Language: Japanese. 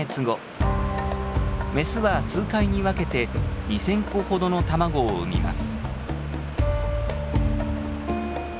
メスは数回に分けて２，０００個ほどの卵を産みます。